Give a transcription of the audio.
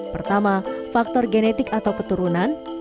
pertama faktor genetik atau keturunan